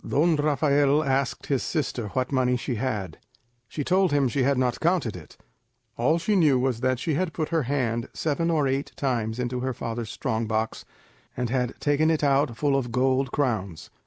Don Rafael asked his sister what money she had. She told him she had not counted it; all she knew was that she had put her hand seven or eight times into her father's strong box, and had taken it out full of gold crowns.